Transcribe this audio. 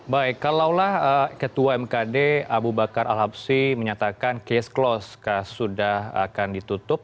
baik kalau lah ketua mkd abu bakar al habsi menyatakan case closed kasus sudah akan ditutup